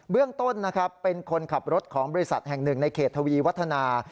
เรื่องต้นนะครับเป็นคนขับรถของบริษัทแห่งหนึ่งในเขตทวีวัฒนา